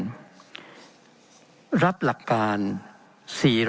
เป็นของสมาชิกสภาพภูมิแทนรัฐรนดร